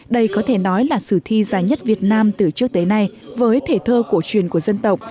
đây có thể nói là sử thi dài nhất việt nam từ trước tới nay với thể thơ cổ truyền của dân tộc